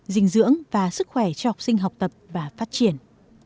dinh dưỡng và sức khỏe cho học sinh học tập và phát triển